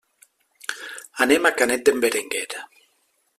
Anem a Canet d'en Berenguer.